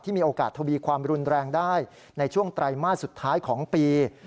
มีโอกาสทวีความรุนแรงได้ในช่วงไตรมาสสุดท้ายของปี